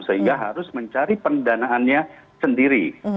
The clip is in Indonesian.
sehingga harus mencari pendanaannya sendiri